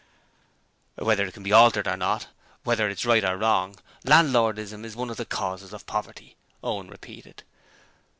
'Whether it can be altered or not, whether it's right or wrong, landlordism is one of the causes of poverty,' Owen repeated.